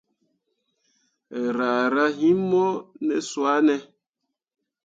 Raa rah him mo ne swane ?